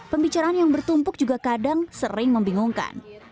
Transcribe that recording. pembicaraan yang bertumpuk juga kadang sering membingungkan